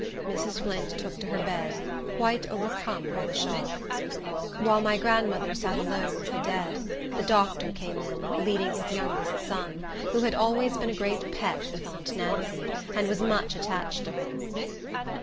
Mrs. Flint took to her bed, quite overcome by the shock. While my grandmother sat alone with the dead, the doctor came in, leading his youngest son, who had always been a great pet with aunt Nancy, and was much attached to her.